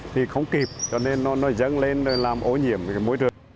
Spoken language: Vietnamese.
thì không kịp cho nên nó dẫn lên làm ổ nhiễm mỗi đường